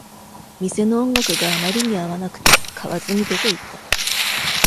店の音楽があまりに合わなくて、買わずに出ていった